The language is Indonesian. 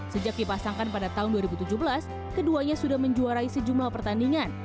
sejak dipasangkan pada tahun dua ribu tujuh belas keduanya sudah menjuarai sejumlah pertandingan